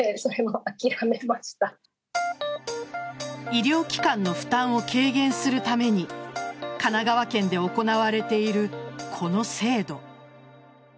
医療機関の負担を軽減するために神奈川県で行われているこの制度。